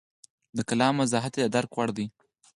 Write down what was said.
د کلام وضاحت یې د درک وړ دی.